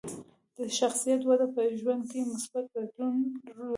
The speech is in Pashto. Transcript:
د شخصیت وده په ژوند کې مثبت بدلون راولي.